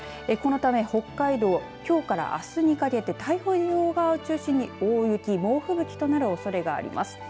このため北海道きょうからあすにかけて太平洋側を中心に大雪、猛吹雪となるおそれがあります。